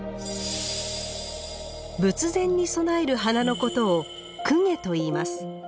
仏前に備える花のことを「供華」といいます。